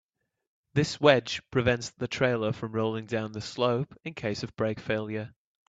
This wedge prevents the trailer from rolling down the slope in case of brake failure.